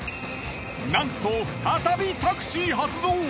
なんと再びタクシー発動！